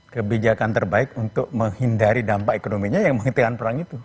kebijakan terbaik untuk menghindari dampak ekonominya yang menghentikan perang itu